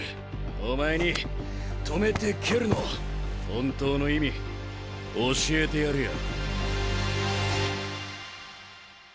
お前に「止めて蹴る」の本当の意味教えてやるよ。